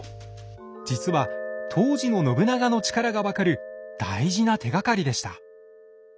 実は当時の信長の力が分かる大事な手がかりでした。